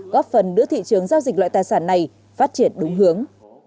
góp phần đưa thị trường giao dịch loại tài sản này phát triển đúng hướng